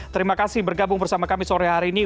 terimakasih bergabung bersama kami sore hari ini